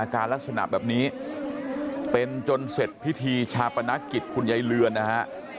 การลักษณะแบบนี้เป็นจนเสร็จพิธีชาปนกิจคุณยายเรือนนะฮะ